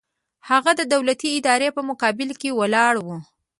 هغه د دولتي ادارو په مقابل کې ولاړ و.